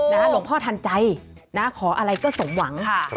หลวงพ่อทันใจขออะไรก็ส่งหวัง